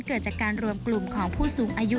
เกิดจากการรวมกลุ่มของผู้สูงอายุ